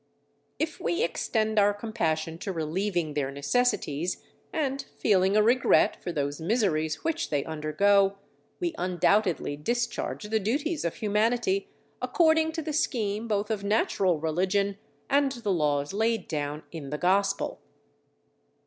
If we extend our compassion to relieving their necessities, and feeling a regret for those miseries which they undergo, we undoubtedly discharge the duties of humanity according to the scheme both of natural religion and the laws laid down in the Gospel.